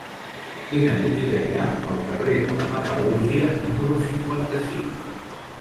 Quina botiga hi ha al carrer de la Metal·lúrgia número cinquanta-sis?